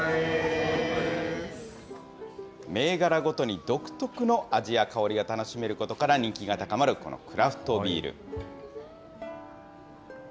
銘柄ごとに独特の味や香りが楽しめることから人気が高まるこのクラフトビール。